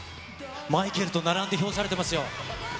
マイケルと並んで評されてますよ。